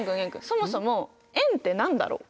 そもそも円って何だろう？